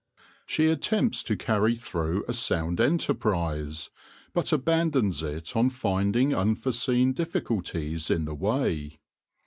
She attempts to carry through a sound enterprise, but abandons it on finding unforeseen difficulties in the way.